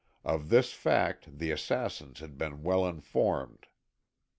Of this fact the assassins had been well informed.